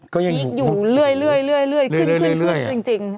คลิกอยู่เรื่อยขึ้นจริง